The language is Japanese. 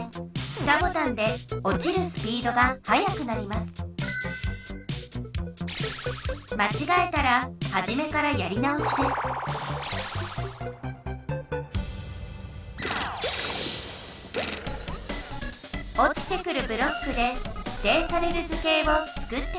下ボタンでおちるスピードがはやくなりますまちがえたらはじめからやり直しですおちてくるブロックでしていされる図形をつくってください